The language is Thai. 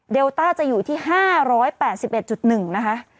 ต้าจะอยู่ที่๕๘๑๑นะคะ